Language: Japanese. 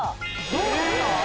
どうですか？